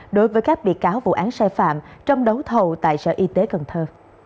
đối với các bị cáo vụ án sai phạm trong đấu thầu tại sở y tế cần thơ